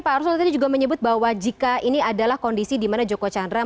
pak arso tadi juga menyebut bahwa jika ini adalah kondisi dimana joko chandra